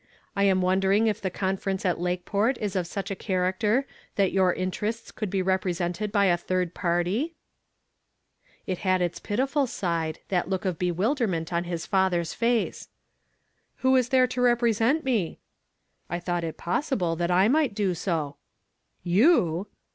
I am wondering if the conference at Lakeport is of such a character that your interests could be represented i)y a tliii d party ?" It had its pitiful side, that look of bewilderment on his father's face. " Who is there to represent me ?"" I thought it possible that I miglit do so." " You